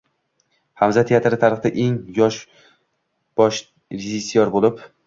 “Hamza” teatri tarixida eng yosh bosh rejissyor bo‘lib